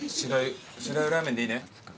しらゆラーメンでいいね？